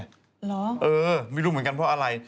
หรอบ๊วยคุณภูมิเออไม่รู้เหมือนกันเพราะอะไร